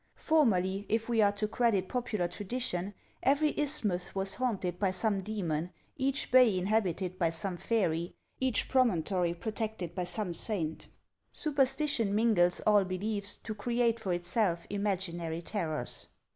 Formerly, if we are to credit popular tradition, every isthmus was haunted by some demon, each bay inhabited by some fairy, each promon tory protected by some saint ; superstition mingles all be liefs to create for itself imaginary terrors.